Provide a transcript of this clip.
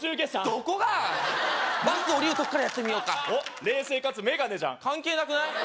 どこがバス降りるとこからやってみようかおっ冷静かつメガネじゃん関係なくない？